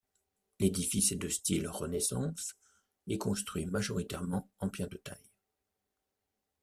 L'édifice est de style renaissance et construit majoritairement en pierre de taille.